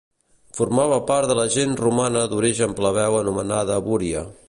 Formava part de la gens romana d'origen plebeu anomenada Abúria.